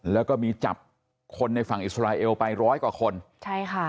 แล้วก็มีจับคนในฝั่งอิสราเอลไปร้อยกว่าคนใช่ค่ะ